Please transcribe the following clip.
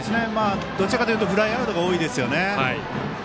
どちらかというとフライアウトが多いですよね。